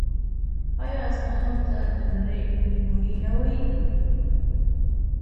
آیا اصفهان ته د نړۍ نیمایي نه وايي؟